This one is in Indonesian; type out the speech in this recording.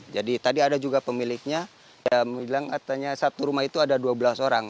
jadi tadi ada juga pemiliknya yang bilang artinya satu rumah itu ada dua belas orang